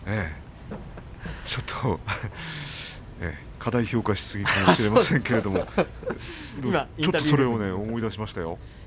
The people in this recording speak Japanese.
ちょっと過大評価しすぎかもしれませんがちょっとそれを思い出しましたよ。